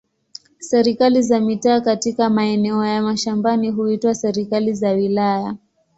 Serikali za mitaa katika maeneo ya mashambani huitwa serikali za wilaya.